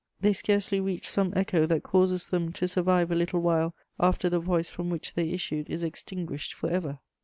They scarcely reach some echo that causes them to survive a little while after the voice from which they issued is extinguished for ever.